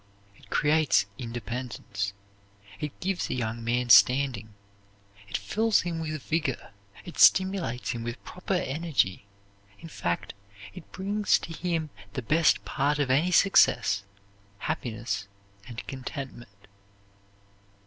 It creates independence, it gives a young man standing, it fills him with vigor, it stimulates him with proper energy; in fact, it brings to him the best part of any success, happiness and contentment."